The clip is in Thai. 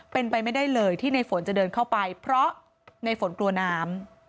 เป็นไปไม่ได้เลยที่ในฝนจะเดินเข้าไปเพราะในฝนกลัวน้ำ